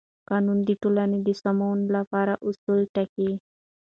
قانون د ټولنې د سمون لپاره اصول ټاکي.